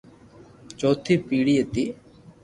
چوئي پيدي تي